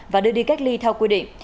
và đưa đi cách ly theo quy định